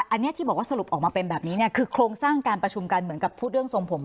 อันนี้ที่บอกว่าสรุปออกมาเป็นแบบนี้เนี่ยคือโครงสร้างการประชุมกันเหมือนกับพูดเรื่องทรงผม